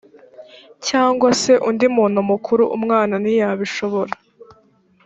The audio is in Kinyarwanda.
cyangwa se undi muntu mukuru umwana ntiyabishobora